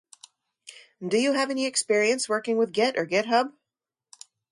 Do you have any experience working with git or github?